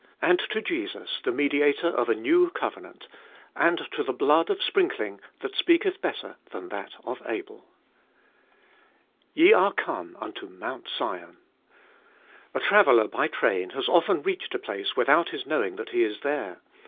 And to Jesus the Mediator of a new covenant, and to the blood of sprinkling that speaketh better than that of Abel. Ye are come unto Mount Sion. A traveller by train has often reached a place without his knowing that he is there.